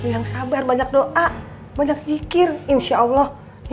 yang sabar banyak doa banyak zikir insya allah